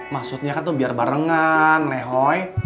maksudnya kan tuh biar barengan lehoy